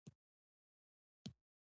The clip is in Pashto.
هغه بل ملګري یې ورته وویل.